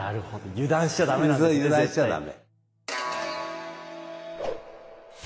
油断しちゃダメ。